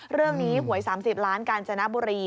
เรื่องนี้หวย๓๐ล้านการชนะบุรี